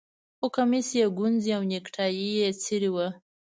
خو کمیس یې ګونځې او نیکټايي یې څیرې وه